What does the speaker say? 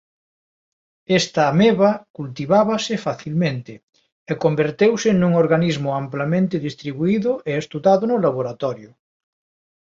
Esta ameba cultivábase facilmente e converteuse nun organismo amplamente distribuído e estudado no laboratorio.